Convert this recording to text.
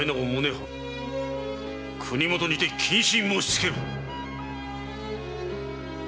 春国許にて謹慎申しつける！